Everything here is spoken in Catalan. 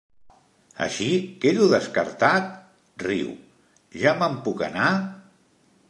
Així, quedo descartat? —riu— Ja me'n puc anar?